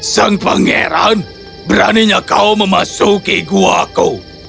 sang pangeran beraninya kau memasuki gua kau